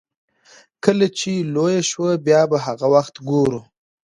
کله چې لويه شوه بيا به هغه وخت ګورو.